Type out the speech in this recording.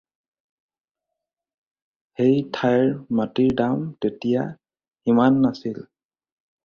সেই ঠাইৰ মাটিৰ দাম তেতিয়া সিমান নাছিল।